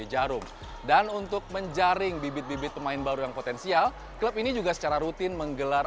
jarum dan untuk menjaring bibit bibit pemain baru yang potensial klub ini juga secara rutin menggelar